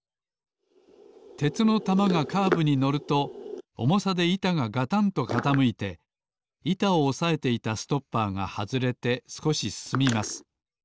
鉄の玉がカーブにのるとおもさでいたががたんとかたむいていたをおさえていたストッパーがはずれてすこしすすみます。